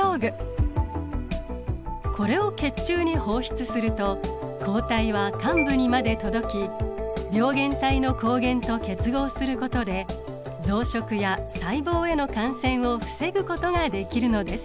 これを血中に放出すると抗体は患部にまで届き病原体の抗原と結合することで増殖や細胞への感染を防ぐことができるのです。